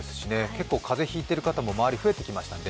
結構、風邪引いてる方も周り増えてきましたね。